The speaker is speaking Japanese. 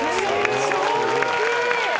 衝撃。